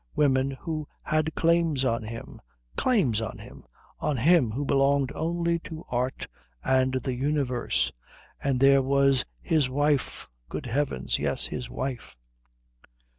women who had claims on him claims on him! on him who belonged only to art and the universe. And there was his wife good heavens, yes, his wife....